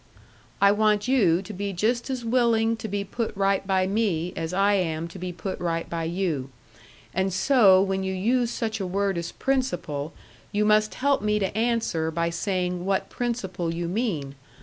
"I want you to be just as willing to be put right by me as I am to be put right by you. And so when you use such a word as principle, you must help me to answer by saying what principle you mean.